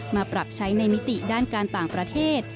มาปรับใช้ในมิติด้านการต่างประเทศ